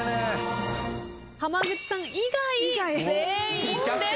浜口さん以外全員です。